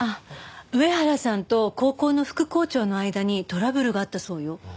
上原さんと高校の副校長の間にトラブルがあったそうよ。